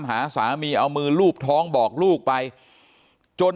เพราะตอนนั้นหมดหนทางจริงเอามือรูบท้องแล้วบอกกับลูกในท้องขอให้ดนใจบอกกับเธอหน่อยว่าพ่อเนี่ยอยู่ที่ไหน